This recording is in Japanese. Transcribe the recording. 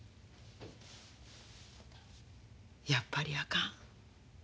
やっぱりあかん。